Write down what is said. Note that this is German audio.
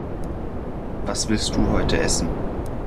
Was willst Du heute essen?